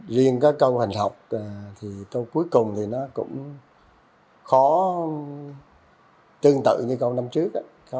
riêng câu hình học câu cuối cùng cũng khó tương tự như câu năm trước